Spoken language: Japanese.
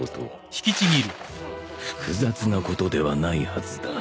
複雑なことではないはずだ。